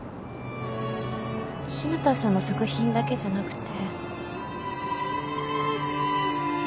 日向さんの作品だけじゃなくて